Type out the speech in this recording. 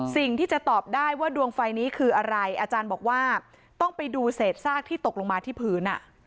สิ่งที่จะตอบได้ว่าดวงไฟนี้คืออะไรอาจารย์บอกว่าต้องไปดูเศษซากที่ตกลงมาที่พื้น